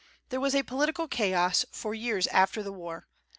There was a political chaos for years after the war.